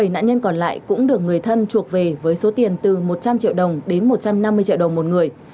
bảy nạn nhân còn lại cũng được người thân chuộc về với số tiền từ một trăm linh triệu đồng đến một trăm năm mươi triệu đồng một người